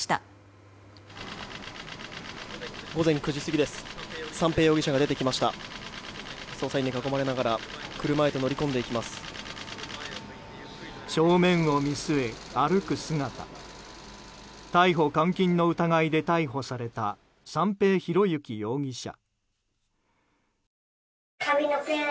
逮捕監禁の疑いで逮捕された三瓶博幸容疑者。